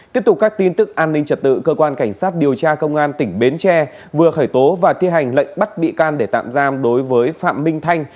tiếp tục các tin tức an ninh trật tự cơ quan cảnh sát điều tra công an tỉnh bến tre vừa khởi tố và thi hành lệnh bắt bị can để tạm giam đối với phạm minh thanh